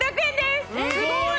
すごーい！